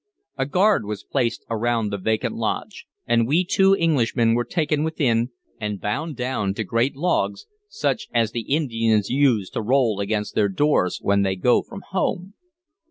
A guard was placed around the vacant lodge, and we two Englishmen were taken within and bound down to great logs, such as the Indians use to roll against their doors when they go from home.